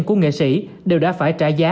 của nghệ sĩ đều đã phải trả giá